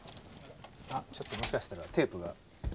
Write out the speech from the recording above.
ちょっともしかしたらテープが。